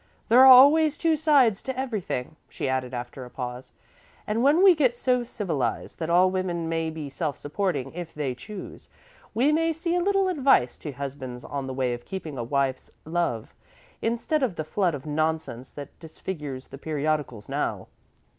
There are always two sides to everything," she added, after a pause, "and when we get so civilised that all women may be self supporting if they choose, we may see a little advice to husbands on the way of keeping a wife's love, instead of the flood of nonsense that disfigures the periodicals now."